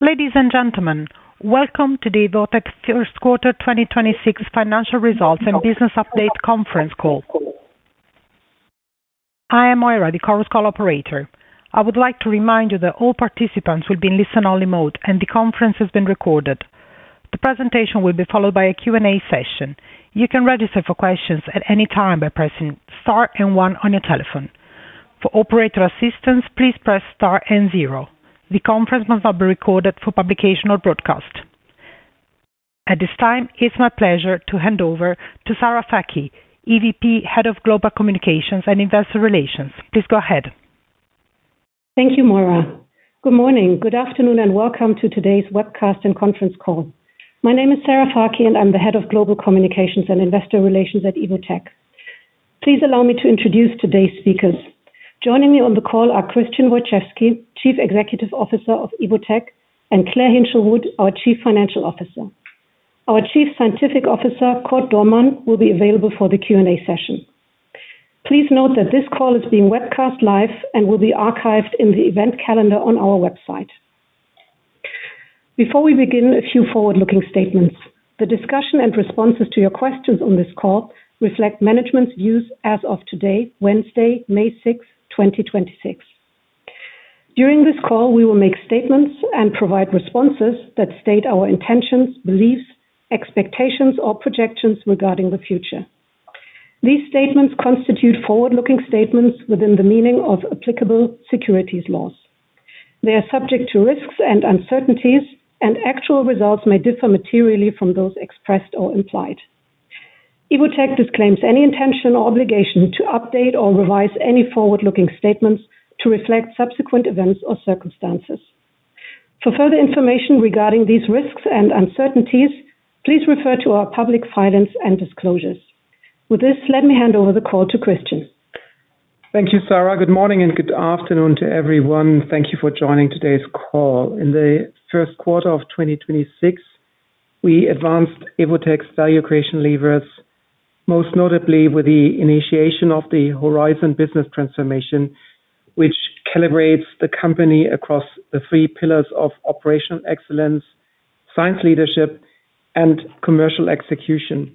Ladies and gentlemen, welcome to the Evotec Q1 2026 financial results and business update conference call. I am Moira, the conference call operator. I would like to remind you that all participants will be in listen-only mode, and the conference is being recorded. The presentation will be followed by a Q&A session. You can register for questions at any time by pressing star one on your telephone. For operator assistance, please press star and zero. The conference must not be recorded for publication or broadcast. At this time, it's my pleasure to hand over to Sarah Fakih, EVP, Head of Global Communications and Investor Relations. Please go ahead. Thank you, Moira. Welcome to today's webcast and conference call. My name is Sarah Fakih, and I'm the Head of Global Communications and Investor Relations at Evotec. Please allow me to introduce today's speakers. Joining me on the call are Christian Wojczewski, Chief Executive Officer of Evotec, and Claire Hinshelwood, our Chief Financial Officer. Our Chief Scientific Officer, Cord Dohrmann, will be available for the Q&A session. Please note that this call is being webcast live and will be archived in the event calendar on our website. Before we begin, a few forward-looking statements. The discussion and responses to your questions on this call reflect management's views as of today, Wednesday, May 6, 2026. During this call, we will make statements and provide responses that state our intentions, beliefs, expectations, or projections regarding the future. These statements constitute forward-looking statements within the meaning of applicable securities laws. They are subject to risks and uncertainties, and actual results may differ materially from those expressed or implied. Evotec disclaims any intention or obligation to update or revise any forward-looking statements to reflect subsequent events or circumstances. For further information regarding these risks and uncertainties, please refer to our public filings and disclosures. With this, let me hand over the call to Christian. Thank you, Sarah. Good morning and good afternoon to everyone. Thank you for joining today's call. In the Q1 of 2026, we advanced Evotec's value creation levers, most notably with the initiation of the Horizon business transformation, which calibrates the company across the three pillars of operational excellence, science leadership, and commercial execution.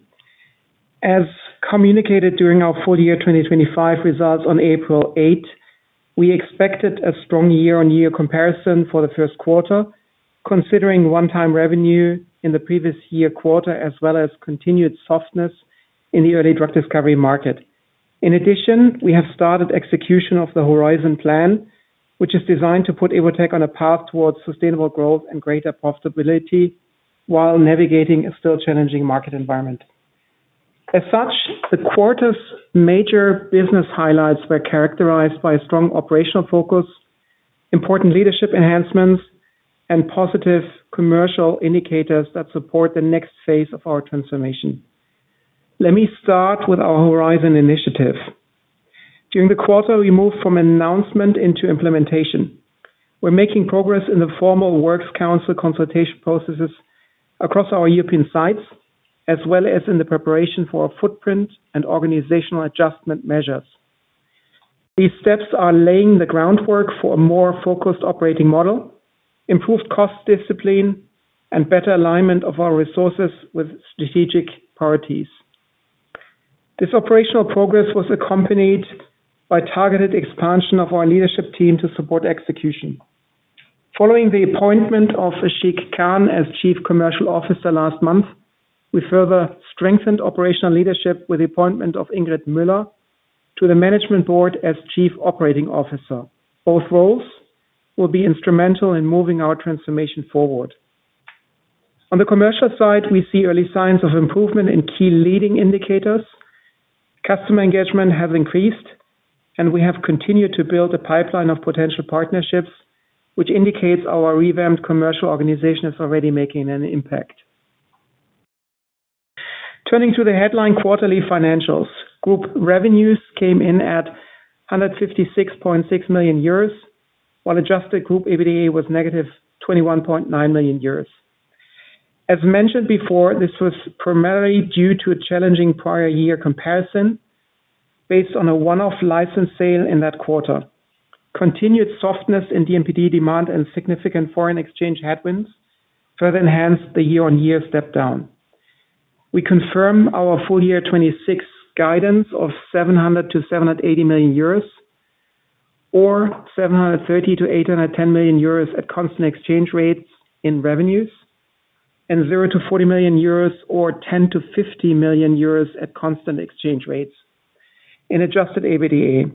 As communicated during our full year 2025 results on April 8, we expected a strong year-on-year comparison for the Q1, considering one-time revenue in the previous year quarter as well as continued softness in the early drug discovery market. In addition, we have started execution of the Horizon plan, which is designed to put Evotec on a path towards sustainable growth and greater profitability while navigating a still challenging market environment. As such, the quarter's major business highlights were characterized by strong operational focus, important leadership enhancements, and positive commercial indicators that support the next phase of our transformation. Let me start with our Horizon initiative. During the quarter, we moved from announcement into implementation. We're making progress in the formal Works Council consultation processes across our European sites, as well as in the preparation for our footprint and organizational adjustment measures. These steps are laying the groundwork for a more focused operating model, improved cost discipline, and better alignment of our resources with strategic priorities. This operational progress was accompanied by targeted expansion of our leadership team to support execution. Following the appointment of Ashiq H. Khan as Chief Commercial Officer last month, we further strengthened operational leadership with the appointment of Ingrid Muller to the management board as Chief Operating Officer. Both roles will be instrumental in moving our transformation forward. On the commercial side, we see early signs of improvement in key leading indicators. Customer engagement has increased, and we have continued to build a pipeline of potential partnerships, which indicates our revamped commercial organization is already making an impact. Turning to the headline quarterly financials, group revenues came in at 156.6 million euros, while adjusted group EBITDA was negative 21.9 million euros. As mentioned before, this was primarily due to a challenging prior year comparison based on a one-off license sale in that quarter. Continued softness in D&PD demand and significant foreign exchange headwinds further enhanced the year-over-year step down. We confirm our full year 2026 guidance of 700 million-780 million euros or 730 million-810 million euros at constant exchange rates in revenues and 0-40 million euros or 10 million-50 million euros at constant exchange rates in adjusted EBITDA.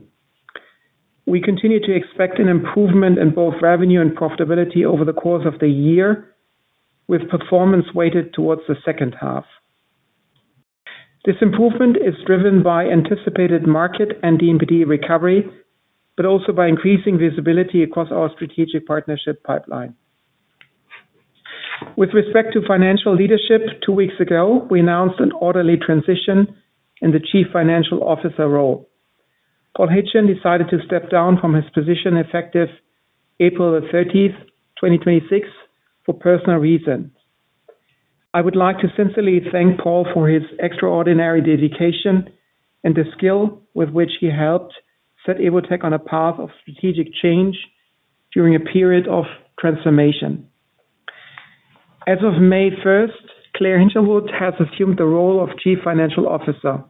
We continue to expect an improvement in both revenue and profitability over the course of the year, with performance weighted towards the second half. This improvement is driven by anticipated market and D&PD recovery, but also by increasing visibility across our strategic partnership pipeline. With respect to financial leadership, two weeks ago, we announced an orderly transition in the Chief Financial Officer role. Paul Hitchin decided to step down from his position effective April 30, 2026, for personal reasons. I would like to sincerely thank Paul for his extraordinary dedication and the skill with which he helped set Evotec on a path of strategic change during a period of transformation. As of May 1, Claire Hinshelwood has assumed the role of Chief Financial Officer.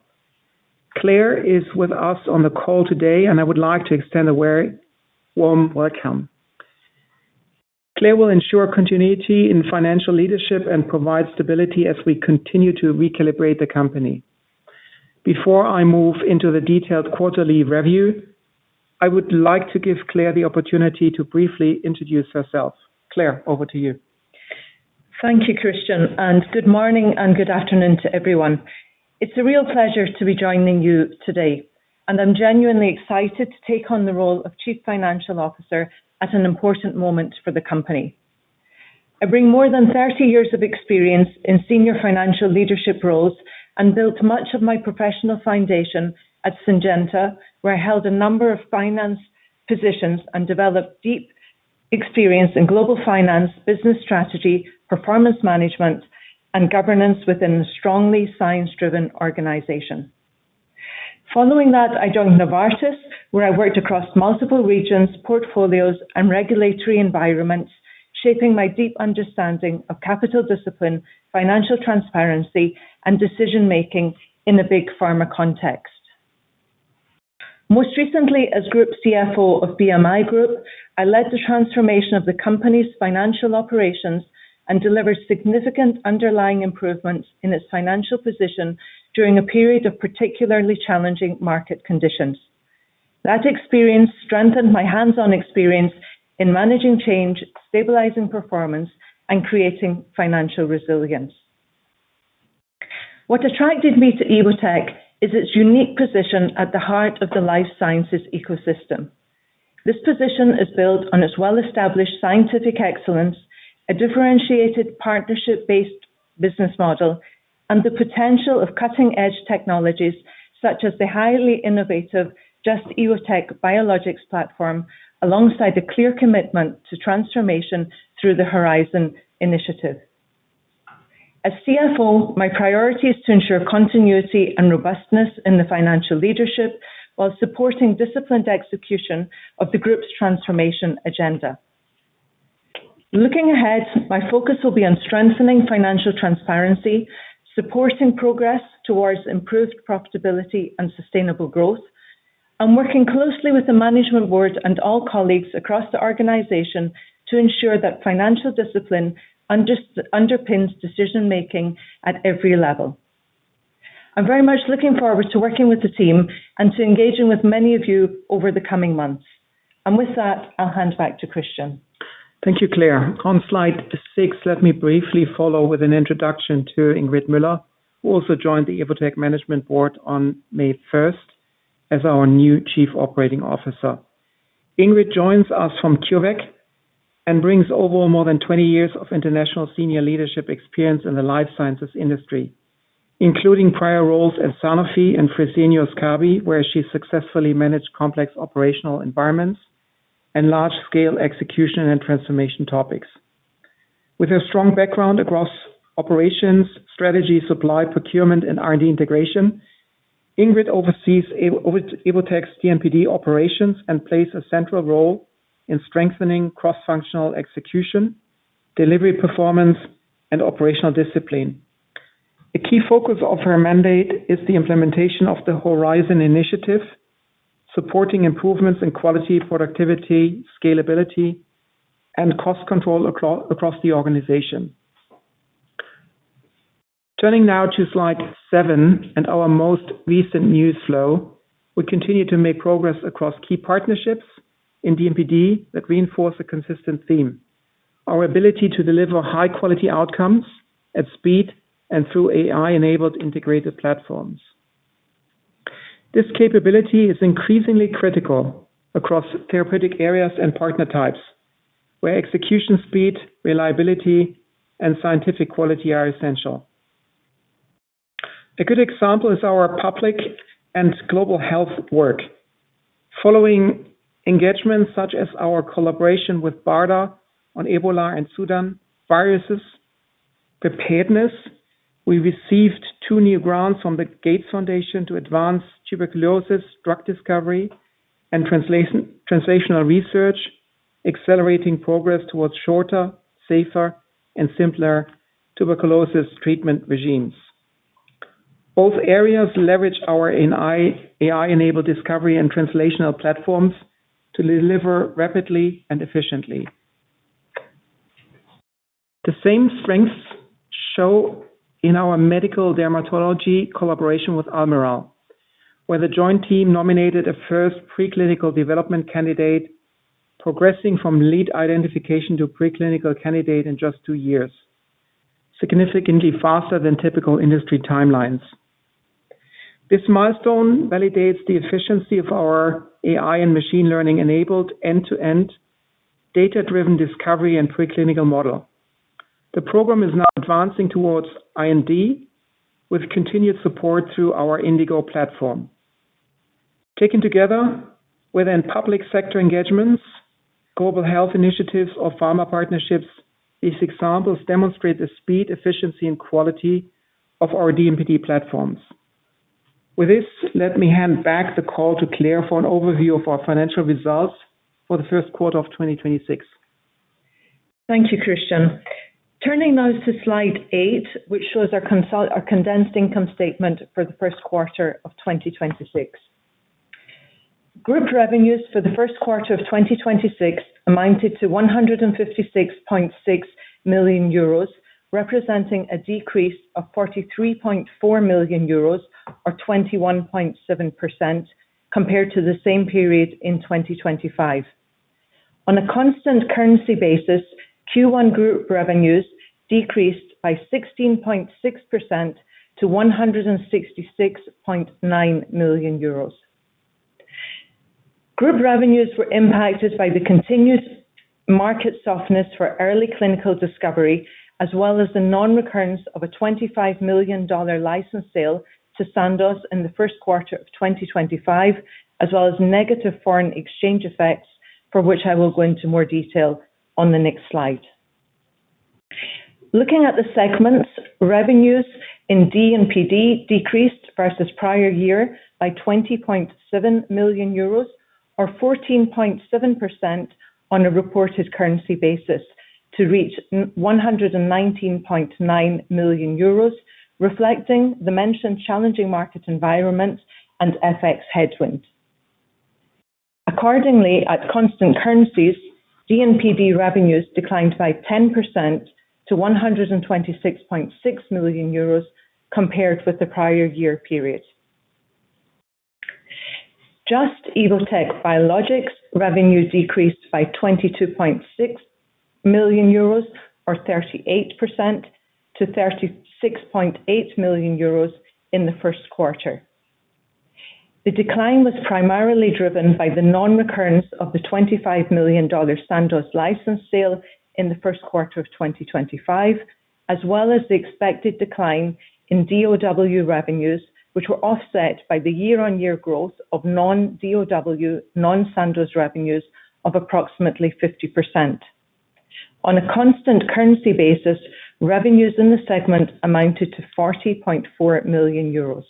Claire is with us on the call today, and I would like to extend a very warm welcome. Claire will ensure continuity in financial leadership and provide stability as we continue to recalibrate the company. Before I move into the detailed quarterly review, I would like to give Claire the opportunity to briefly introduce herself. Claire, over to you. Thank you, Christian. Good morning and good afternoon to everyone. It's a real pleasure to be joining you today. I'm genuinely excited to take on the role of Chief Financial Officer at an important moment for the company. I bring more than 30 years of experience in senior financial leadership roles and built much of my professional foundation at Syngenta, where I held a number of finance positions and developed deep experience in global finance, business strategy, performance management, and governance within a strongly science-driven organization. Following that, I joined Novartis, where I worked across multiple regions, portfolios and regulatory environments, shaping my deep understanding of capital discipline, financial transparency and decision-making in a big pharma context. Most recently, as group CFO of BMI Group, I led the transformation of the company's financial operations and delivered significant underlying improvements in its financial position during a period of particularly challenging market conditions. That experience strengthened my hands-on experience in managing change, stabilizing performance, and creating financial resilience. What attracted me to Evotec is its unique position at the heart of the life sciences ecosystem. This position is built on its well-established scientific excellence, a differentiated partnership-based business model, and the potential of cutting-edge technologies such as the highly innovative Just – Evotec Biologics platform, alongside the clear commitment to transformation through the Horizon initiative. As CFO, my priority is to ensure continuity and robustness in the financial leadership while supporting disciplined execution of the group's transformation agenda. Looking ahead, my focus will be on strengthening financial transparency, supporting progress towards improved profitability and sustainable growth, and working closely with the management board and all colleagues across the organization to ensure that financial discipline underpins decision-making at every level. I'm very much looking forward to working with the team and to engaging with many of you over the coming months. With that, I'll hand back to Christian. Thank you, Claire. On slide six, let me briefly follow with an introduction to Ingrid Muller, who also joined the Evotec Management Board on May first as our new Chief Operating Officer. Ingrid joins us from CureVac and brings over more than 20 years of international senior leadership experience in the life sciences industry, including prior roles at Sanofi and Fresenius Kabi, where she successfully managed complex operational environments and large-scale execution and transformation topics. With her strong background across operations, strategy, supply, procurement, and R&D integration, Ingrid oversees Evotec's D&PD operations and plays a central role in strengthening cross-functional execution, delivery performance, and operational discipline. A key focus of her mandate is the implementation of the Horizon initiative, supporting improvements in quality, productivity, scalability, and cost control across the organization. Turning now to slide seven and our most recent news flow, we continue to make progress across key partnerships in D&PD that reinforce a consistent theme: our ability to deliver high-quality outcomes at speed and through AI-enabled integrated platforms. This capability is increasingly critical across therapeutic areas and partner types, where execution speed, reliability, and scientific quality are essential. A good example is our public and global health work. Following engagements such as our collaboration with BARDA on Ebola and Sudan viruses preparedness, we received two new grants from the Gates Foundation to advance tuberculosis drug discovery and translational research, accelerating progress towards shorter, safer, and simpler tuberculosis treatment regimes. Both areas leverage our AI-enabled discovery and translational platforms to deliver rapidly and efficiently. The same strengths show in our medical dermatology collaboration with Almirall, where the joint team nominated a first preclinical development candidate progressing from lead identification to preclinical candidate in just two years, significantly faster than typical industry timelines. This milestone validates the efficiency of our AI and machine learning-enabled end-to-end data-driven discovery and preclinical model. The program is now advancing towards IND with continued support through our INDiGO platform. Taken together, within public sector engagements, global health initiatives or pharma partnerships, these examples demonstrate the speed, efficiency and quality of our D&PD platforms. With this, let me hand back the call to Claire for an overview of our financial results for the Q1 of 2026. Thank you, Christian. Turning now to slide eight, which shows our condensed income statement for the Q1 of 2026. Group revenues for the Q1 of 2026 amounted to 156.6 million euros, representing a decrease of 43.4 million euros or 21.7% compared to the same period in 2025. On a constant currency basis, Q1 group revenues decreased by 16.6% to EUR 166.9 million. Group revenues were impacted by the continuous market softness for early clinical discovery, as well as the non-recurrence of a $25 million license sale to Sandoz in the Q1 of 2025, as well as negative foreign exchange effects, for which I will go into more detail on the next slide. Looking at the segments, revenues in D&PD decreased versus prior year by 20.7 million euros or 14.7% on a reported currency basis to reach 119.9 million euros, reflecting the mentioned challenging market environment and FX headwind. Accordingly, at constant currencies, D&PD revenues declined by 10% to 126.6 million euros compared with the prior year period. Just – Evotec Biologics revenues decreased by 22.6 million euros or 38% to 36.8 million euros in the Q1. The decline was primarily driven by the non-recurrence of the $25 million Sandoz license sale in the Q1 of 2025, as well as the expected decline in DOW revenues, which were offset by the year-on-year growth of non-DOW, non-Sandoz revenues of approximately 50%. On a constant currency basis, revenues in the segment amounted to 40.4 million euros.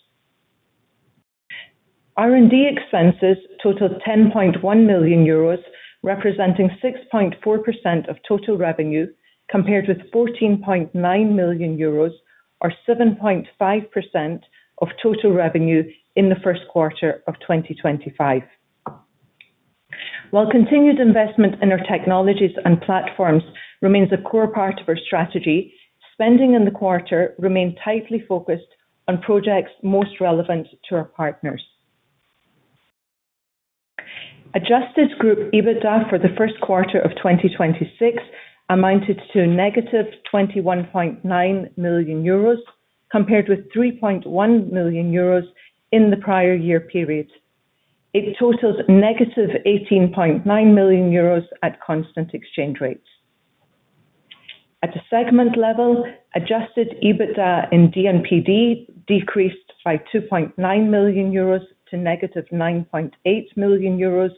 R&D expenses totaled 10.1 million euros, representing 6.4% of total revenue, compared with 14.9 million euros or 7.5% of total revenue in the Q1 of 2025. While continued investment in our technologies and platforms remains a core part of our strategy, spending in the quarter remained tightly focused on projects most relevant to our partners. Adjusted group EBITDA for the Q1 of 2026 amounted to a negative 21.9 million euros, compared with 3.1 million euros in the prior year period. It totals negative 18.9 million euros at constant exchange rates. At the segment level, adjusted EBITDA in D&PD decreased by 2.9 million euros to negative 9.8 million euros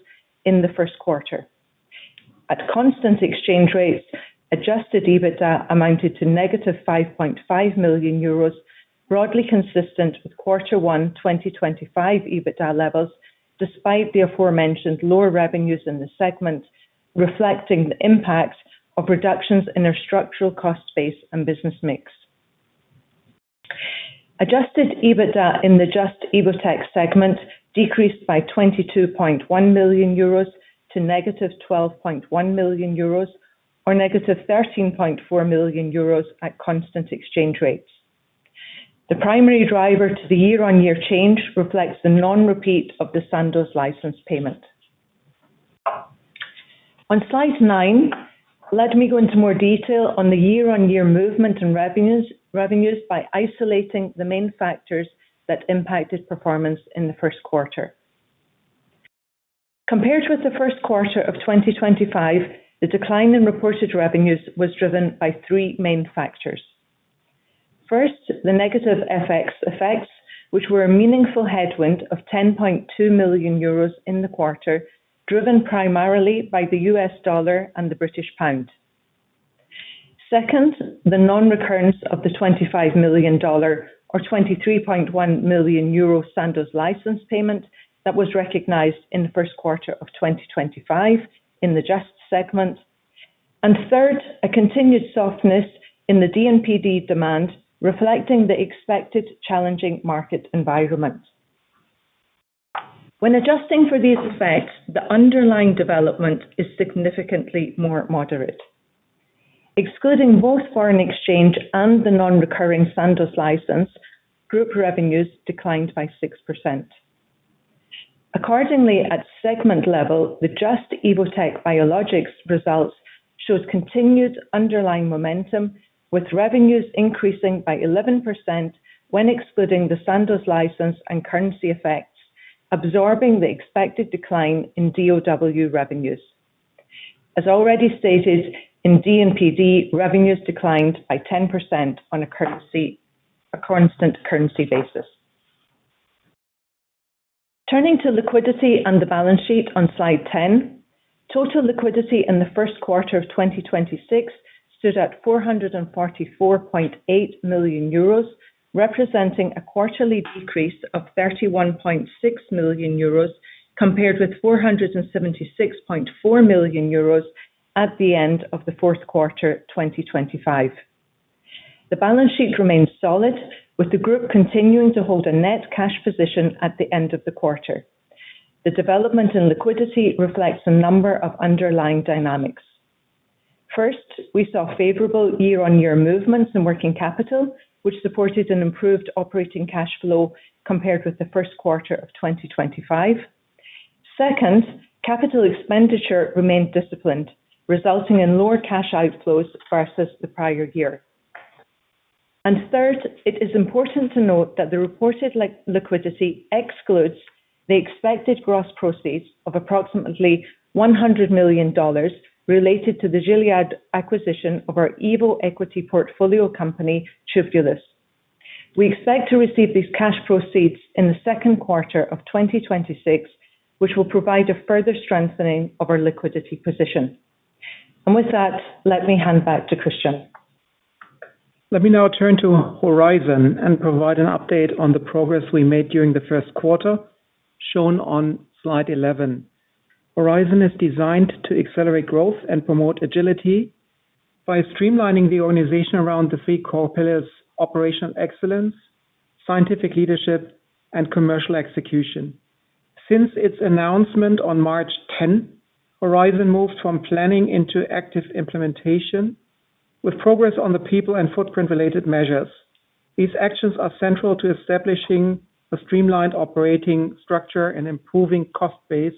in the Q1. At constant exchange rates, adjusted EBITDA amounted to negative 5.5 million euros, broadly consistent with Q1 2025 EBITDA levels, despite the aforementioned lower revenues in the segment, reflecting the impact of reductions in our structural cost base and business mix. Adjusted EBITDA in the Just Evotec segment decreased by 22.1 million euros to negative 12.1 million euros or negative 13.4 million euros at constant exchange rates. The primary driver to the year-on-year change reflects the non-repeat of the Sandoz license payment. On slide nine, let me go into more detail on the year-on-year movement in revenues by isolating the main factors that impacted performance in the Q1. Compared with the Q1 of 2025, the decline in reported revenues was driven by three main factors. First, the negative FX effects, which were a meaningful headwind of 10.2 million euros in the quarter, driven primarily by the U.S. dollar and the British pound. Second, the non-recurrence of the $25 million or 23.1 million euro Sandoz license payment that was recognized in the Q1 of 2025 in the Just segment. Third, a continued softness in the D&PD demand, reflecting the expected challenging market environment. When adjusting for these effects, the underlying development is significantly more moderate. Excluding both foreign exchange and the non-recurring Sandoz license, group revenues declined by 6%. Accordingly, at segment level, the Just – Evotec Biologics results shows continued underlying momentum, with revenues increasing by 11% when excluding the Sandoz license and currency effects, absorbing the expected decline in DOW revenues. As already stated, in D&PD, revenues declined by 10% on a constant currency basis. Turning to liquidity and the balance sheet on slide 10. Total liquidity in the first quarter of 2026 stood at 444.8 million euros, representing a quarterly decrease of 31.6 million euros compared with 476.4 million euros at the end of the Q4 of 2025. The balance sheet remains solid, with the group continuing to hold a net cash position at the end of the quarter. The development in liquidity reflects a number of underlying dynamics. First, we saw favorable year-on-year movements in working capital, which supported an improved operating cash flow compared with the Q1 of 2025. Second, capital expenditure remained disciplined, resulting in lower cash outflows versus the prior year. Third, it is important to note that the reported liquidity excludes the expected gross proceeds of approximately $100 million related to the Gilead acquisition of our EVOequity portfolio company, Tubulis. We expect to receive these cash proceeds in the Q2 of 2026, which will provide a further strengthening of our liquidity position. With that, let me hand back to Christian. Let me now turn to Horizon and provide an update on the progress we made during the Q1, shown on slide 11. Horizon is designed to accelerate growth and promote agility by streamlining the organization around the three core pillars: operational excellence, scientific leadership, and commercial execution. Since its announcement on March 10, Horizon moved from planning into active implementation with progress on the people and footprint-related measures. These actions are central to establishing a streamlined operating structure and improving cost base,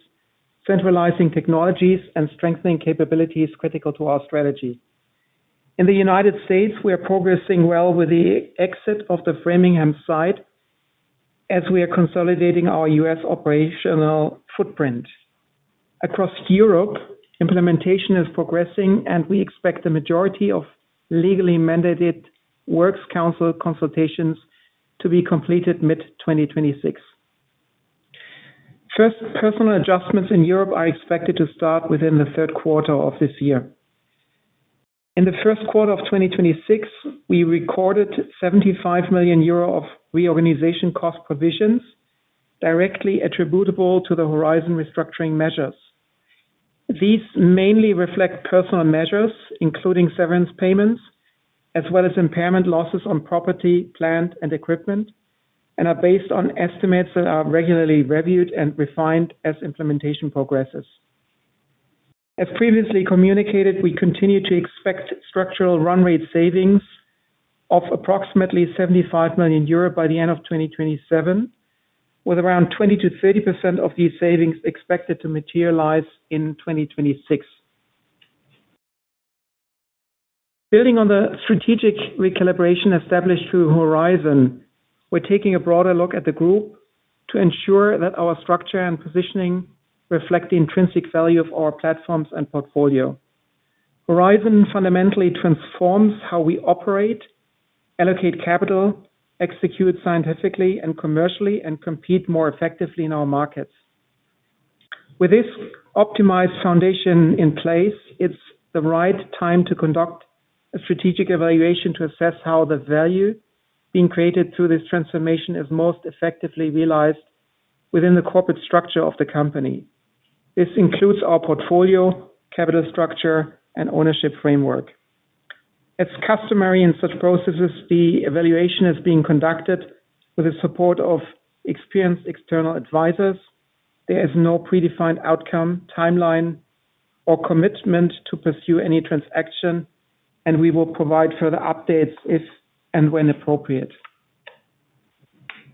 centralizing technologies, and strengthening capabilities critical to our strategy. In the United States, we are progressing well with the exit of the Framingham site as we are consolidating our U.S. operational footprint. Across Europe, implementation is progressing, and we expect the majority of legally mandated Works Council consultations to be completed mid-2026. First, personnel adjustments in Europe are expected to start within the Q3 of this year. In the Q1 of 2026, we recorded 75 million euro of reorganization cost provisions directly attributable to the Horizon restructuring measures. These mainly reflect personnel measures, including severance payments, as well as impairment losses on property, plant, and equipment, and are based on estimates that are regularly reviewed and refined as implementation progresses. As previously communicated, we continue to expect structural run rate savings of approximately 75 million euro by the end of 2027, with around 20%-30% of these savings expected to materialize in 2026. Building on the strategic recalibration established through Horizon, we're taking a broader look at the group to ensure that our structure and positioning reflect the intrinsic value of our platforms and portfolio. Horizon fundamentally transforms how we operate, allocate capital, execute scientifically and commercially, and compete more effectively in our markets. With this optimized foundation in place, it's the right time to conduct a strategic evaluation to assess how the value being created through this transformation is most effectively realized within the corporate structure of the company. This includes our portfolio, capital structure, and ownership framework. As customary in such processes, the evaluation is being conducted with the support of experienced external advisors. There is no predefined outcome, timeline, or commitment to pursue any transaction, and we will provide further updates if and when appropriate.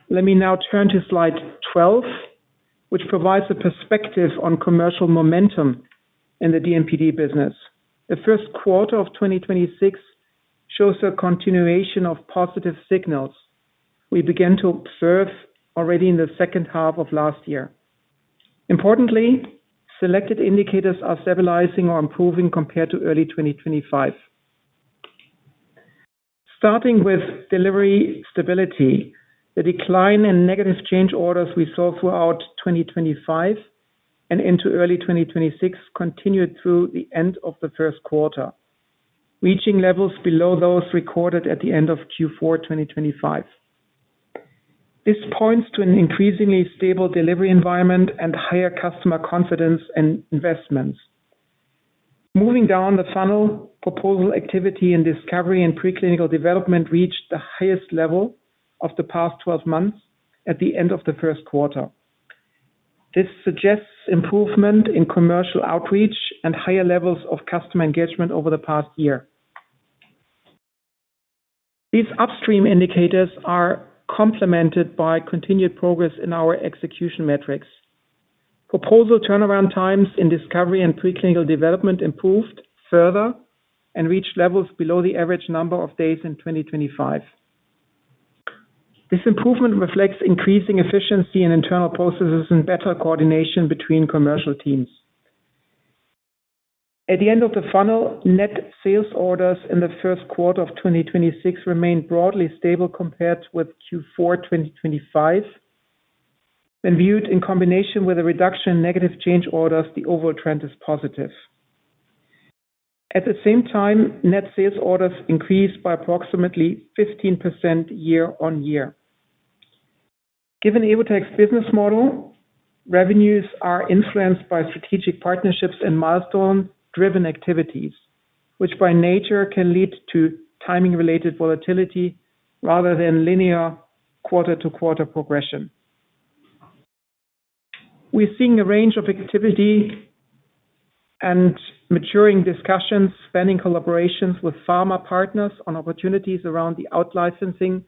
Let me now turn to slide 12, which provides a perspective on commercial momentum in the D&PD business. The Q1 of 2026 shows a continuation of positive signals we began to observe already in the second half of last year. Importantly, selected indicators are stabilizing or improving compared to early 2025. Starting with delivery stability, the decline in negative change orders we saw throughout 2025 and into early 2026 continued through the end of the Q1, reaching levels below those recorded at the end of Q4 2025. This points to an increasingly stable delivery environment and higher customer confidence and investments. Moving down the funnel, proposal activity and Discovery & Preclinical Development reached the highest level of the past 12 months at the end of the Q1. This suggests improvement in commercial outreach and higher levels of customer engagement over the past year. These upstream indicators are complemented by continued progress in our execution metrics. Proposal turnaround times in Discovery & Preclinical Development improved further and reached levels below the average number of days in 2025. This improvement reflects increasing efficiency in internal processes and better coordination between commercial teams. At the end of the funnel, net sales orders in the first quarter of 2026 remained broadly stable compared with Q4 2025. When viewed in combination with a reduction in negative change orders, the overall trend is positive. At the same time, net sales orders increased by approximately 15% year-on-year. Given Evotec's business model, revenues are influenced by strategic partnerships and milestone-driven activities, which by nature can lead to timing-related volatility rather than linear quarter-to-quarter progression. We're seeing a range of activity and maturing discussions, spanning collaborations with pharma partners on opportunities around the out-licensing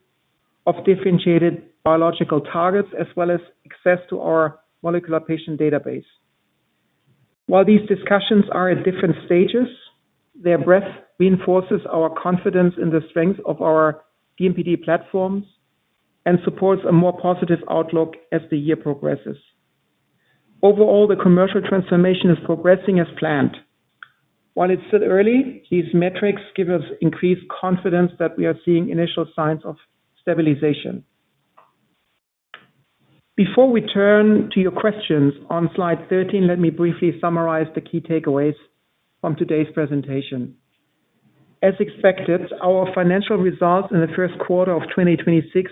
of differentiated biological targets, as well as access to our molecular patient database. While these discussions are at different stages, their breadth reinforces our confidence in the strength of our D&PD platforms and supports a more positive outlook as the year progresses. Overall, the commercial transformation is progressing as planned. While it's still early, these metrics give us increased confidence that we are seeing initial signs of stabilization. Before we turn to your questions, on slide 13, let me briefly summarize the key takeaways from today's presentation. As expected, our financial results in the Q1 of 2026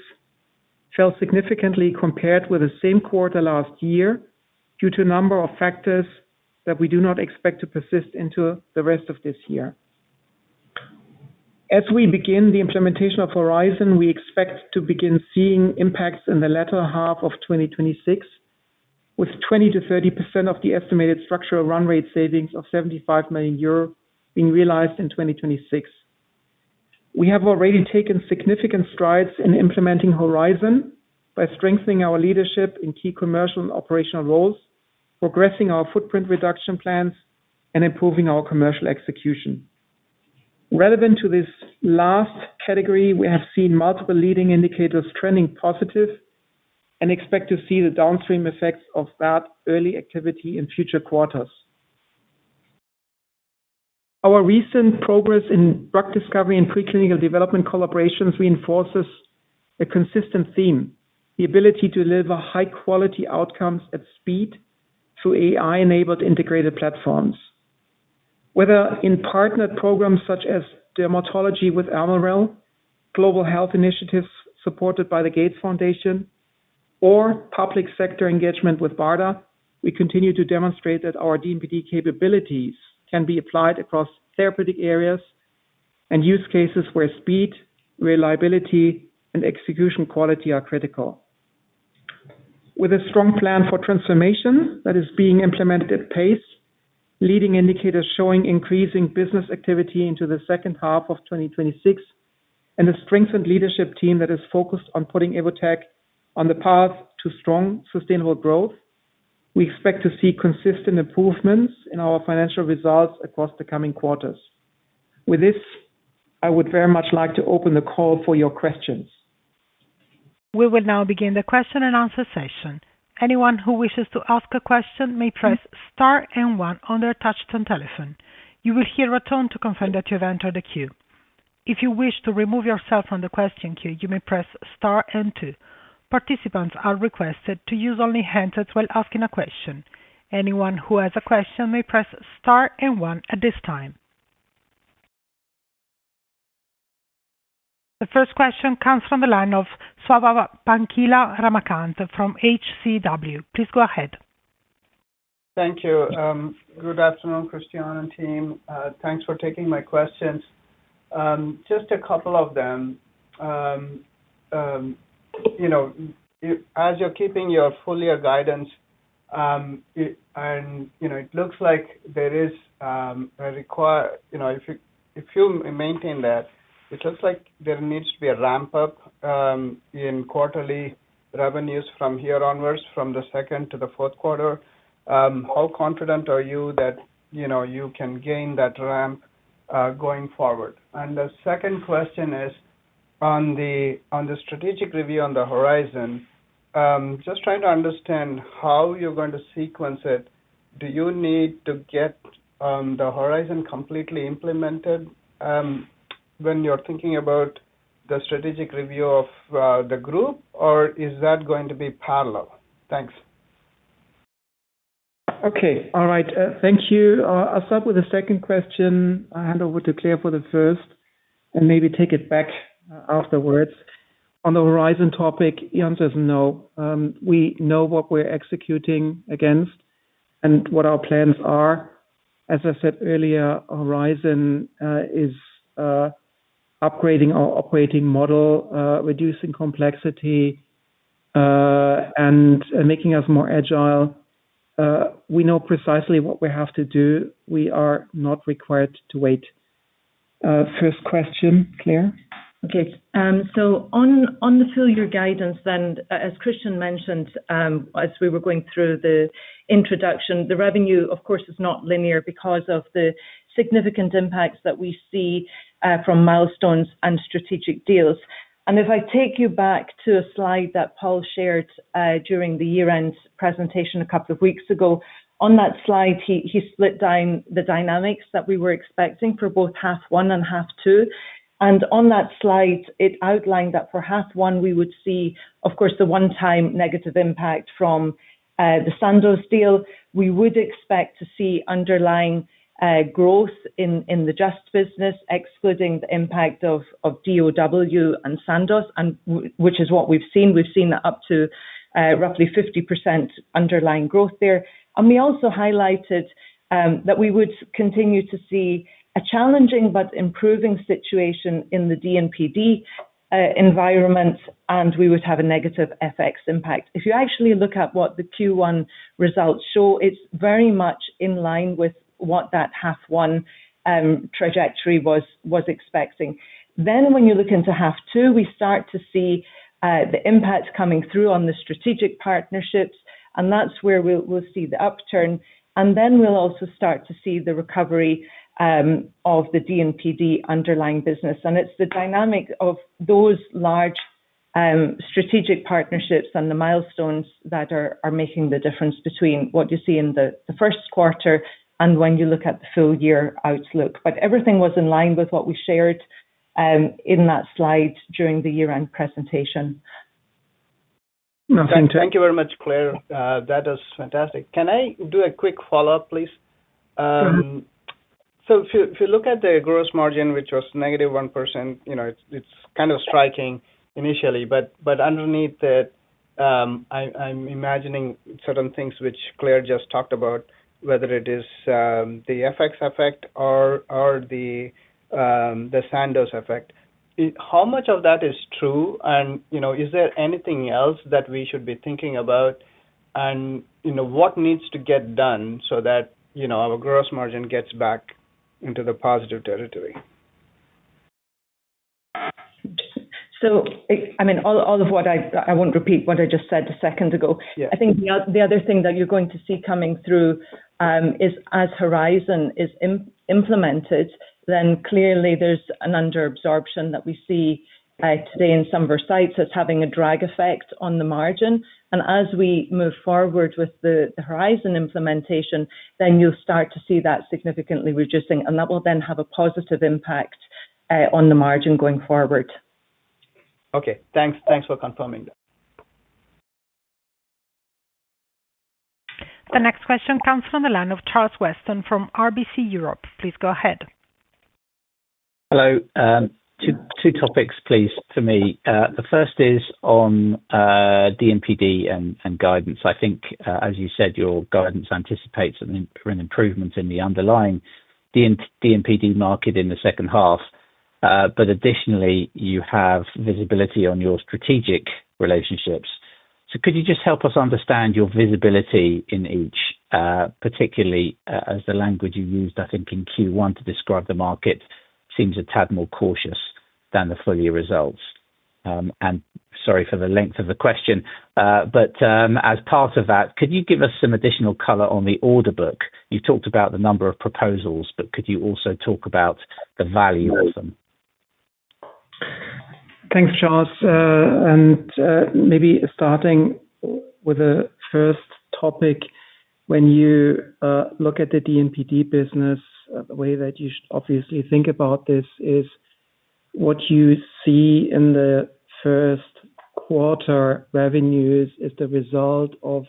fell significantly compared with the same quarter last year due to a number of factors that we do not expect to persist into the rest of this year. As we begin the implementation of Horizon, we expect to begin seeing impacts in the latter half of 2026, with 20%-30% of the estimated structural run rate savings of 75 million euro being realized in 2026. We have already taken significant strides in implementing Horizon by strengthening our leadership in key commercial and operational roles, progressing our footprint reduction plans, and improving our commercial execution. Relevant to this last category, we have seen multiple leading indicators trending positive and expect to see the downstream effects of that early activity in future quarters. Our recent progress in drug discovery and preclinical development collaborations reinforces a consistent theme, the ability to deliver high-quality outcomes at speed through AI-enabled integrated platforms. Whether in partnered programs such as dermatology with Almirall, global health initiatives supported by the Gates Foundation, or public sector engagement with BARDA, we continue to demonstrate that our D&PD capabilities can be applied across therapeutic areas and use cases where speed, reliability, and execution quality are critical. With a strong plan for transformation that is being implemented at pace, leading indicators showing increasing business activity into the second half of 2026, and a strengthened leadership team that is focused on putting Evotec on the path to strong, sustainable growth, we expect to see consistent improvements in our financial results across the coming quarters. With this, I would very much like to open the call for your questions. The first question comes from the line of Swayampakula Ramakanth from HCW. Please go ahead. Thank you. Good afternoon, Christian Wojczewski and team. Thanks for taking my questions. Just a couple of them. You know, as you're keeping your full year guidance, and, you know, it looks like there is, you know, if you maintain that, it looks like there needs to be a ramp up in quarterly revenues from here onwards, from Q2-Q4. How confident are you that, you know, you can gain that ramp going forward? The second question is on the strategic review on the Horizon, just trying to understand how you're going to sequence it. Do you need to get the Horizon completely implemented when you're thinking about the strategic review of the group, or is that going to be parallel? Thanks. Okay. All right. Thank you. I'll start with the second question. I'll hand over to Claire for the first and maybe take it back afterwards. On the Horizon topic, the answer is no. We know what we're executing against and what our plans are. As I said earlier, Horizon is upgrading our operating model, reducing complexity, and making us more agile. We know precisely what we have to do. We are not required to wait. First question, Claire. Okay. On the full year guidance then, as Christian mentioned, as we were going through the introduction, the revenue of course is not linear because of the significant impacts that we see from milestones and strategic deals. If I take you back to a slide that Paul shared during the year-end presentation a couple of weeks ago. On that slide, he split down the dynamics that we were expecting for both half one and half two. On that slide, it outlined that for half one we would see, of course, the one-time negative impact from the Sandoz deal. We would expect to see underlying growth in the Just – Evotec Biologics, excluding the impact of DOW and Sandoz, which is what we've seen. We've seen up to roughly 50% underlying growth there. We also highlighted that we would continue to see a challenging but improving situation in the D&PD environment, and we would have a negative FX impact. If you actually look at what the Q1 results show, it's very much in line with what that half one trajectory was expecting. When you look into half two, we start to see the impacts coming through on the strategic partnerships, and that's where we'll see the upturn. We'll also start to see the recovery of the D&PD underlying business. It's the dynamic of those large strategic partnerships and the milestones that are making the difference between what you see in the first quarter and when you look at the full-year outlook. Everything was in line with what we shared in that slide during the year-end presentation. Okay. Thank you very much, Claire. That is fantastic. Can I do a quick follow-up, please? If you look at the gross margin, which was -1%, you know, it's kind of striking initially. But underneath it, I'm imagining certain things which Claire just talked about, whether it is the FX effect or the Sandoz effect. How much of that is true? You know, is there anything else that we should be thinking about? You know, what needs to get done so that, you know, our gross margin gets back into the positive territory? I mean, all of what I won't repeat what I just said a second ago. Yeah. I think the other thing that you're going to see coming through, is as Horizon is implemented, then clearly there's an under-absorption that we see today in some of our sites that's having a drag effect on the margin. As we move forward with the Horizon implementation, then you'll start to see that significantly reducing, and that will then have a positive impact on the margin going forward. Okay. Thanks. Thanks for confirming that. The next question comes from the line of Charles Weston from RBC Europe. Please go ahead. Hello. Two topics, please, for me. The first is on D&PD and guidance. I think, as you said, your guidance anticipates an improvement in the underlying D&PD market in the second half. Additionally, you have visibility on your strategic relationships. Could you just help us understand your visibility in each, particularly, as the language you used, I think, in Q1 to describe the market seems a tad more cautious than the full-year results. Sorry for the length of the question, as part of that, could you give us some additional color on the order book? You talked about the number of proposals, could you also talk about the value of them? Thanks, Charles. Maybe starting with the first topic. When you look at the D&PD business, the way that you obviously think about this is what you see in the Q1 revenues is the result of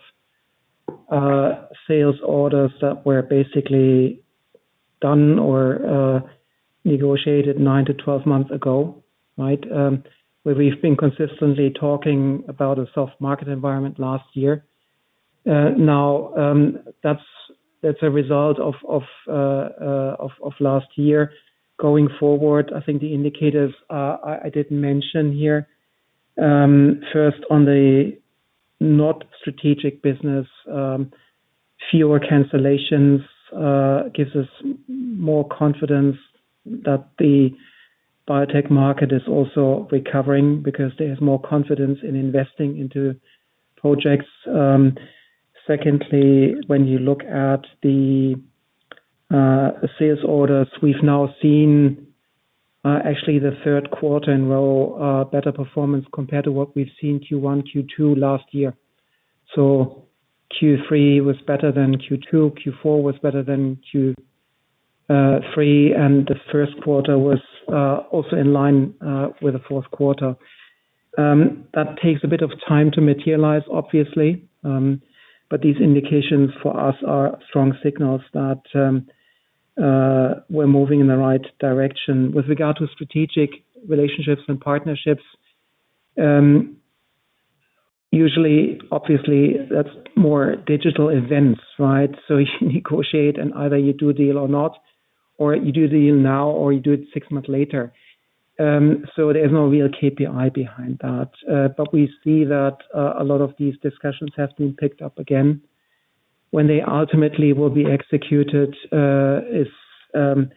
sales orders that were basically done or negotiated 9-12 months ago, right? Where we've been consistently talking about a soft market environment last year. Now, that's a result of last year. Going forward, I think the indicators I did mention here, first on the not strategic business, fewer cancellations, gives us more confidence that the biotech market is also recovering because there is more confidence in investing into projects. Secondly, when you look at the sales orders, we've now seen actually the Q3 in row, better performance compared to what we've seen Q1, Q2 last year. Q3 was better than Q2. Q4 was better than Q3, and Q1 was also in line with the Q4. That takes a bit of time to materialize, obviously, but these indications for us are strong signals that we're moving in the right direction. With regard to strategic relationships and partnerships, usually, obviously, that's more digital events, right? You negotiate and either you do a deal or not, or you do the deal now, or you do it six months later. There's no real KPI behind that. But we see that a lot of these discussions have been picked up again. When they ultimately will be executed, you can't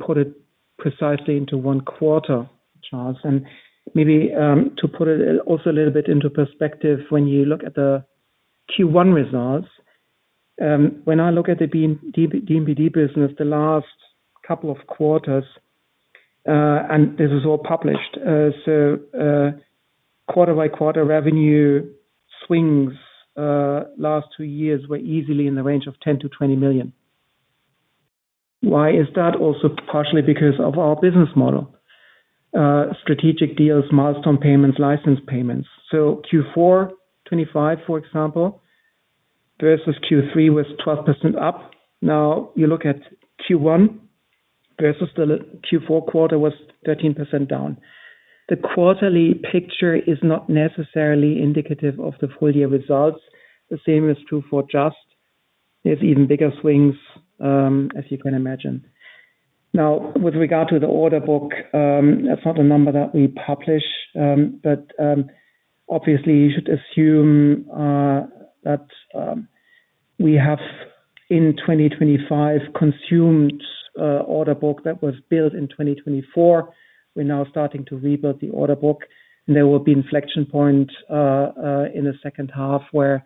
put it precisely into one quarter, Charles. Maybe, to put it also a little bit into perspective, when you look at the Q1 results, when I look at the D&PD business the last couple of quarters, and this is all published, quarter-by-quarter revenue swings last two years were easily in the range of 10 million-20 million. Why is that? Also partially because of our business model. Strategic deals, milestone payments, license payments. Q4 25, for example, versus Q3 was 12% up. You look at Q1 versus the Q4 quarter was 13% down. The quarterly picture is not necessarily indicative of the full year results. The same is true for Just. There's even bigger swings, as you can imagine. Now, with regard to the order book, that's not a number that we publish. But obviously you should assume that we have in 2025 consumed order book that was built in 2024. We're now starting to rebuild the order book, and there will be inflection point in the second half where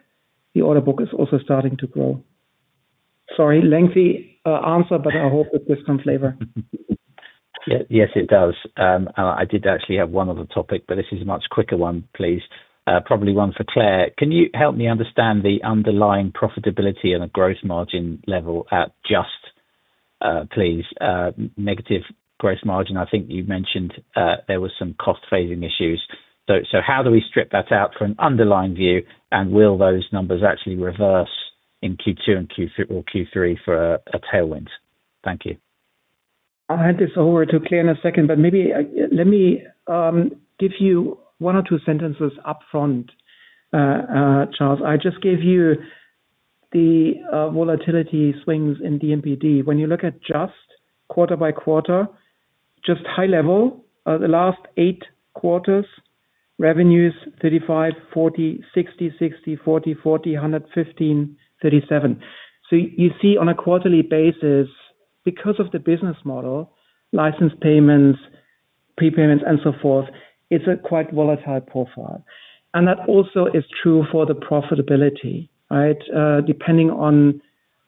the order book is also starting to grow. Sorry, lengthy answer, but I hope that this comes labor. Yes, it does. I did actually have one other topic, but this is a much quicker one, please. Probably one for Claire. Can you help me understand the underlying profitability and the growth margin level at Just, please? Negative gross margin. I think you mentioned there was some cost phasing issues. How do we strip that out for an underlying view, and will those numbers actually reverse in Q2 and Q3 or Q3 for a tailwind? Thank you. I'll hand this over to Claire in a second. Maybe let me give you one or two sentences upfront, Charles. I just gave you the volatility swings in D&PD. When you look at just quarter by quarter, just high level, the last eight quarters, revenues 35, 40, 60, 40, 115, 37. You see on a quarterly basis, because of the business model, license payments, prepayments and so forth, it's a quite volatile profile. That also is true for the profitability, right? Depending on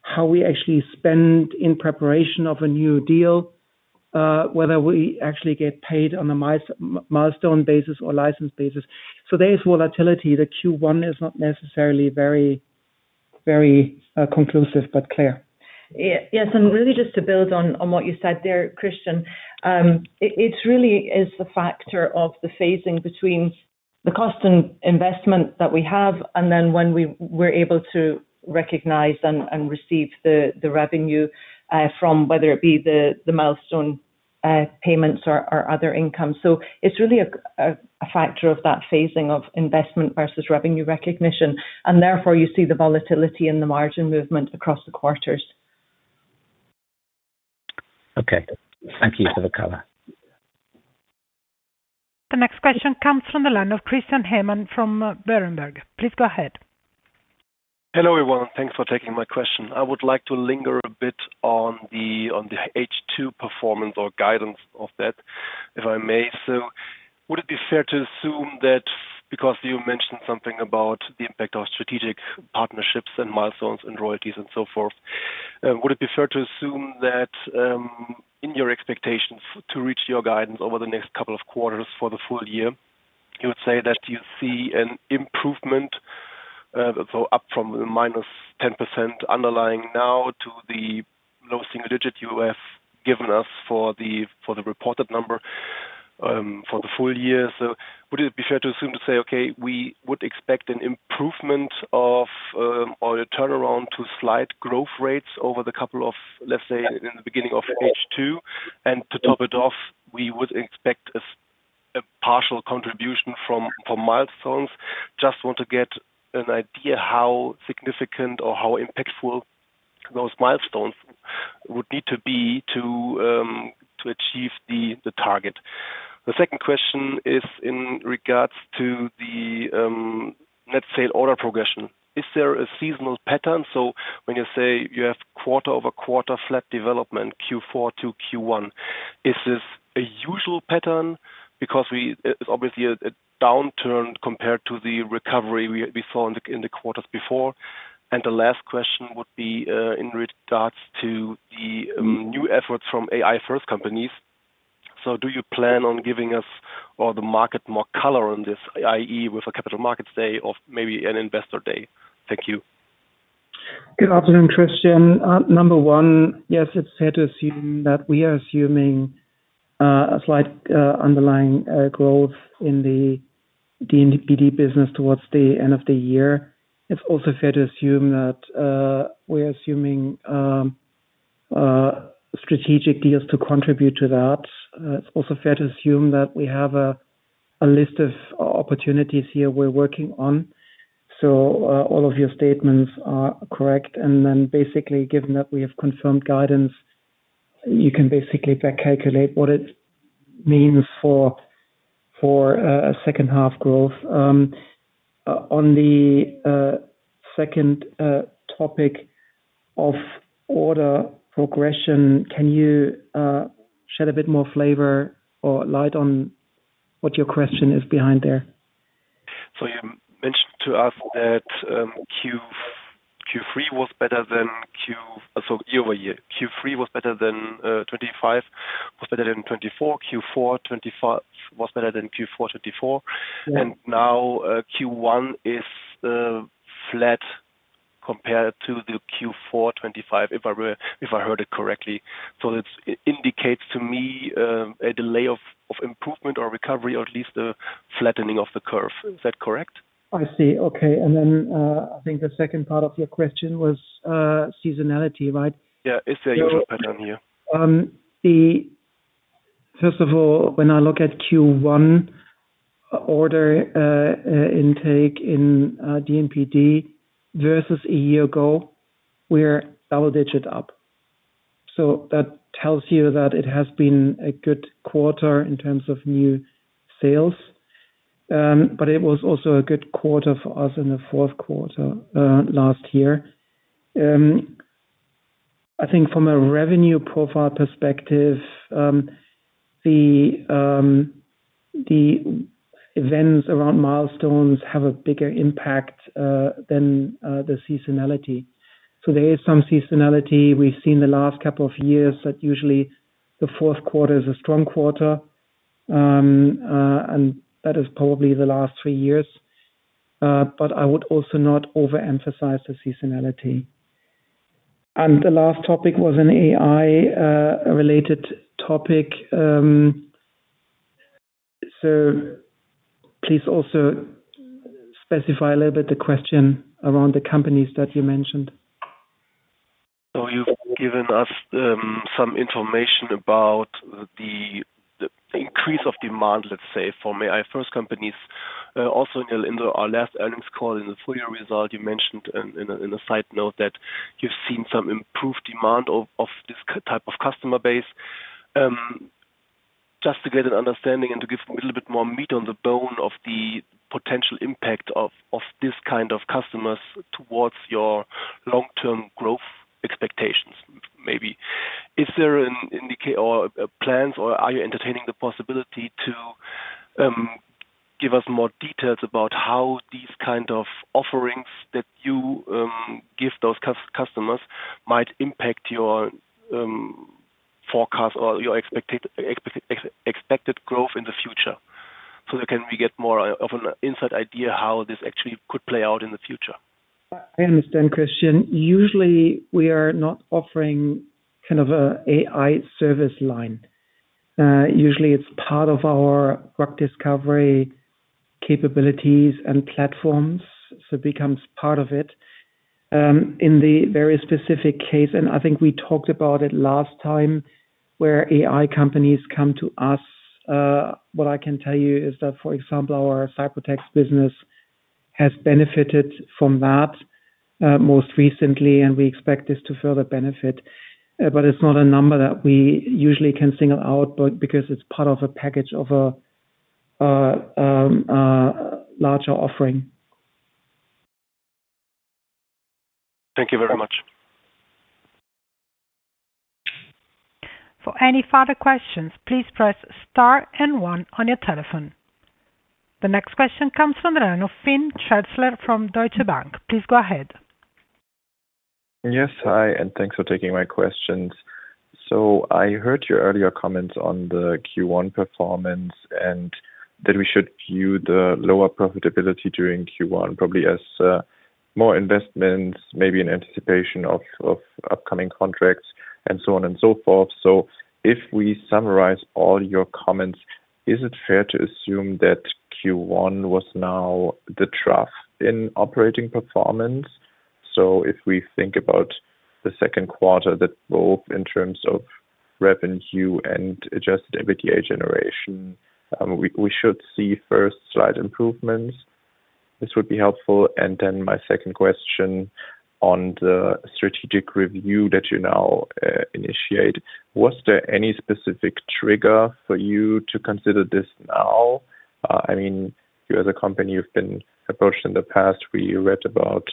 how we actually spend in preparation of a new deal, whether we actually get paid on a milestone basis or license basis. There is volatility. The Q1 is not necessarily very conclusive, Claire. Yes, really just to build on what you said there, Christian, it really is the factor of the phasing between the cost and investment that we have and then when we're able to recognize and receive the revenue from whether it be the milestone payments or other income. It's really a factor of that phasing of investment versus revenue recognition, and therefore you see the volatility and the margin movement across the quarters. Okay. Thank you for the color. The next question comes from the line of Christian Ehmann from Berenberg. Please go ahead. Hello, everyone. Thanks for taking my question. I would like to linger a bit on the H2 performance or guidance of that, if I may. Would it be fair to assume that because you mentioned something about the impact of strategic partnerships and milestones and royalties and so forth, would it be fair to assume that in your expectations to reach your guidance over the next two quarters for the full year, you would say that you see an improvement, so up from the -10% underlying now to the low single digit you have given us for the reported number for the full year. Would it be fair to assume to say, okay, we would expect an improvement of or a turnaround to slight growth rates over the couple of, let's say in the beginning of H2, and to top it off, we would expect a partial contribution from milestones? Just want to get an idea how significant or how impactful those milestones would need to be to achieve the target. The second question is in regards to the, let's say order progression. Is there a seasonal pattern? When you say you have quarter-over-quarter flat development, Q4 to Q1, is this a usual pattern? Because obviously a downturn compared to the recovery we saw in the quarters before. The last question would be in regards to the new efforts from AI first companies. Do you plan on giving us or the market more color on this, i.e. with a capital markets day or maybe an investor day? Thank you. Good afternoon, Christian. Number one, yes, it's fair to assume that we are assuming a slight underlying growth in the D&PD business towards the end of the year. It's also fair to assume that we are assuming strategic deals to contribute to that. It's also fair to assume that we have a list of opportunities here we're working on. All of your statements are correct. Basically, given that we have confirmed guidance, you can basically back-calculate what it means for a second half growth. On the second topic of order progression, can you shed a bit more flavor or light on what your question is behind there? You mentioned to us that, Q3 was better than Q So year over year, Q3 was better than, 2025 was better than 2024. Q4, 2025 was better than Q4 2024. Yeah. Now, Q1 is flat compared to the Q4 2025, if I heard it correctly. It indicates to me a delay of improvement or recovery, or at least a flattening of the curve. Is that correct? I see. Okay. I think the second part of your question was seasonality, right? Yeah. Is there a usual pattern here? First of all, when I look at Q1 order intake in D&PD versus a year ago, we're double-digit up. That tells you that it has been a good quarter in terms of new sales. It was also a good quarter for us in the fourth quarter last year. I think from a revenue profile perspective, the events around milestones have a bigger impact than the seasonality. There is some seasonality. We've seen the last couple of years that usually Q4 is a strong quarter. That is probably the last three years. I would also not overemphasize the seasonality. The last topic was an AI-related topic. Please also specify a little bit the question around the companies that you mentioned. You've given us some information about the increase of demand, let's say, for AIfirst companies. Also in our last earnings call in the full year result, you mentioned in a side note that you've seen some improved demand of this type of customer base. Just to get an understanding and to give a little bit more meat on the bone of the potential impact of this kind of customers towards your long-term growth expectations, maybe. Is there an indication or plans, or are you entertaining the possibility to give us more details about how these kind of offerings that you give those customers might impact your forecast or your expected growth in the future? That can we get more of an inside idea how this actually could play out in the future. I understand, Christian. Usually, we are not offering kind of a AI service line. Usually it's part of our drug discovery capabilities and platforms, so it becomes part of it. In the very specific case, and I think we talked about it last time, where AI companies come to us, what I can tell you is that, for example, our Cyprotex business has benefited from that most recently, and we expect this to further benefit. But it's not a number that we usually can single out, but because it's part of a package of a larger offering. Thank you very much. The next question comes from the line of Finn Schätzler from Deutsche Bank. Please go ahead. Yes. Hi, and thanks for taking my questions. I heard your earlier comments on the Q1 performance, and that we should view the lower profitability during Q1 probably as more investments, maybe in anticipation of upcoming contracts and so on and so forth. If we summarize all your comments, is it fair to assume that Q1 was now the trough in operating performance? If we think about the second quarter, that both in terms of revenue and adjusted EBITDA generation, we should see first slight improvements. This would be helpful. My second question on the strategic review that you now initiate. I mean, you as a company, you've been approached in the past. We read about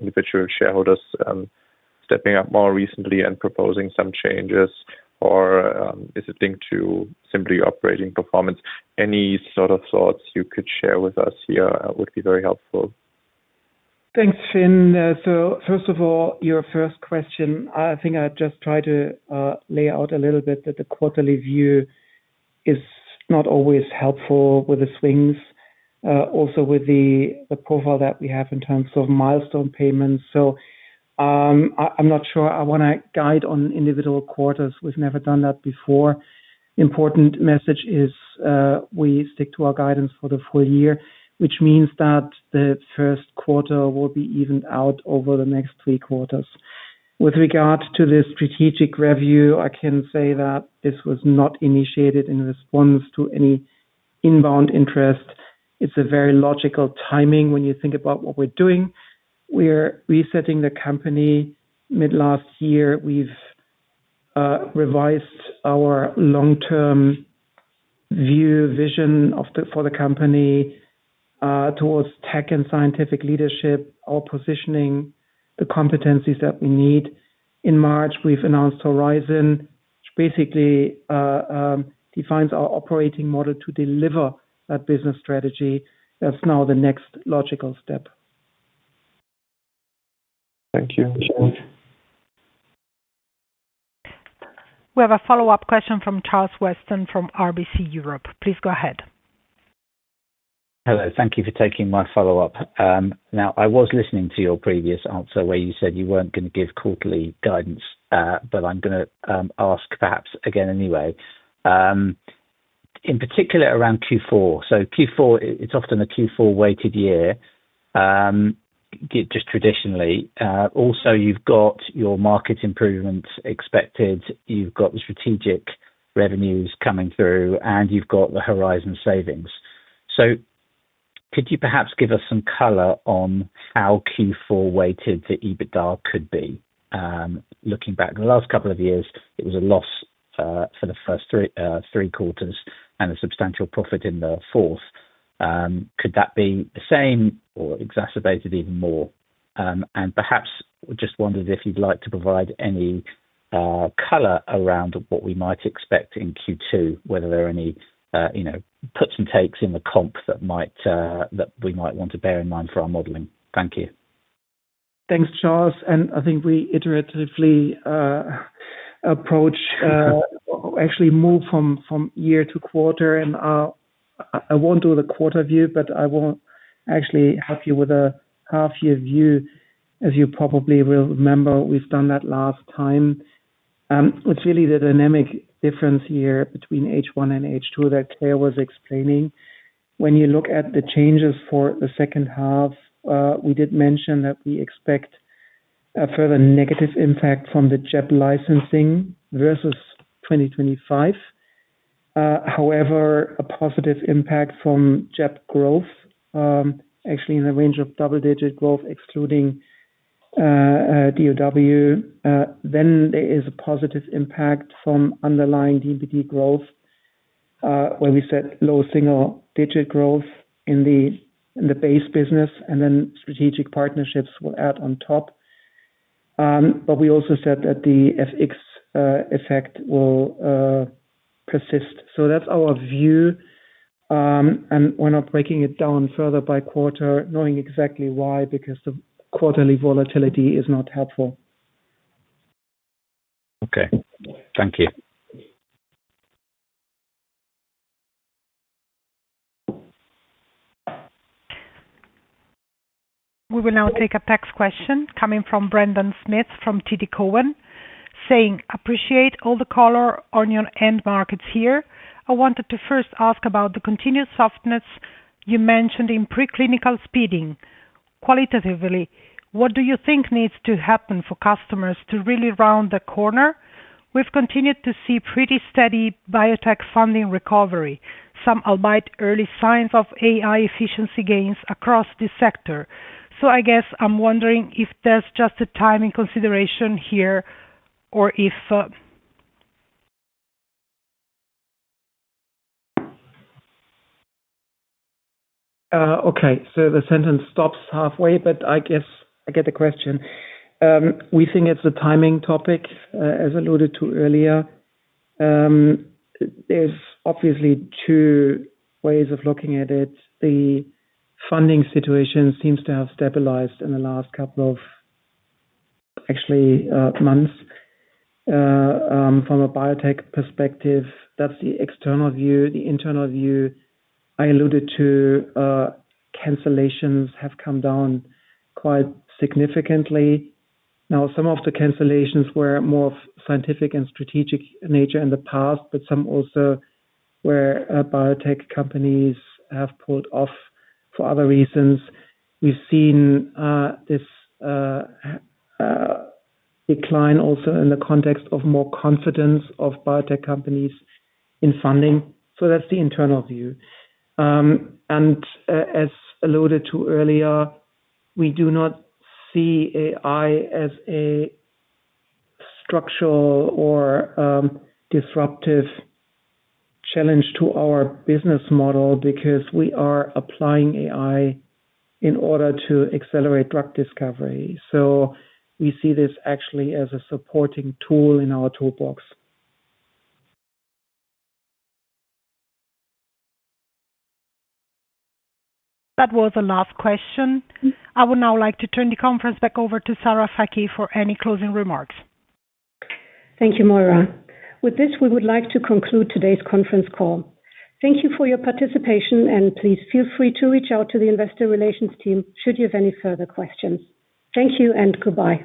individual shareholders, stepping up more recently and proposing some changes or, is it linked to simply operating performance? Any sort of thoughts you could share with us here would be very helpful. Thanks, Finn. First of all, your first question, I think I just tried to lay out a little bit that the quarterly view is not always helpful with the swings, also with the profile that we have in terms of milestone payments. I'm not sure I wanna guide on individual quarters. We've never done that before. Important message is, we stick to our guidance for the full year, which means that Q1 will be evened out over the next three quarters. With regard to the strategic review, I can say that this was not initiated in response to any inbound interest. It's a very logical timing when you think about what we're doing. We're resetting the company mid last year. We've revised our long-term view, vision for the company towards tech and scientific leadership or positioning the competencies that we need. In March, we've announced Horizon, which basically defines our operating model to deliver that business strategy. That's now the next logical step. Thank you. We have a follow-up question from Charles Weston from RBC Europe. Please go ahead. Hello. Thank you for taking my follow-up. I was listening to your previous answer where you said you weren't gonna give quarterly guidance, but I'm gonna ask perhaps again anyway. In particular around Q4. Q4, it's often a Q4 weighted year, just traditionally. Also you've got your market improvements expected, you've got the strategic revenues coming through, and you've got the Horizon savings. Could you perhaps give us some color on how Q4 weighted the EBITDA could be? Looking back the last couple of years, it was a loss for the first three quarters and a substantial profit in the fourth. Could that be the same or exacerbated even more? Perhaps just wondered if you'd like to provide any color around what we might expect in Q2, whether there are any, you know, puts and takes in the comps that we might want to bear in mind for our modeling. Thank you. Thanks, Charles. I think we iteratively approach, actually move from year to quarter. I won't do the quarter view, but I won't actually help you with a half year view. As you probably will remember, we've done that last time. It's really the dynamic difference here between H1 and H2 that Claire Hinshelwood was explaining. When you look at the changes for the H2, we did mention that we expect a further negative impact from the JEB licensing versus 2025. However, a positive impact from JEB growth, actually in the range of double-digit growth excluding DOW. There is a positive impact from underlying D&PD growth, where we set low single-digit growth in the base business. Strategic partnerships will add on top. We also said that the FX effect will persist. That's our view, and we're not breaking it down further by quarter knowing exactly why, because the quarterly volatility is not helpful. Okay. Thank you. We will now take a text question coming from Brendan Smith from TD Cowen, saying, "Appreciate all the color on your end markets here. I wanted to first ask about the continued softness you mentioned in preclinical spending. Qualitatively, what do you think needs to happen for customers to really round the corner? We've continued to see pretty steady biotech funding recovery, some albeit early signs of AI efficiency gains across this sector. I guess I'm wondering if there's just a timing consideration here or if? Okay, the sentence stops halfway, but I guess I get the question. We think it's a timing topic, as alluded to earlier. There's obviously two ways of looking at it. The funding situation seems to have stabilized in the last couple of actually months. From a biotech perspective, that's the external view. The internal view, I alluded to, cancellations have come down quite significantly. Some of the cancellations were more of scientific and strategic nature in the past, but some also where biotech companies have pulled off for other reasons. We've seen this decline also in the context of more confidence of biotech companies in funding. That's the internal view. As alluded to earlier, we do not see AI as a structural or disruptive challenge to our business model because we are applying AI in order to accelerate drug discovery. We see this actually as a supporting tool in our toolbox. That was the last question. I would now like to turn the conference back over to Sarah Fakih for any closing remarks. Thank you, Moira. With this, we would like to conclude today's conference call. Thank you for your participation, and please feel free to reach out to the investor relations team should you have any further questions. Thank you and goodbye.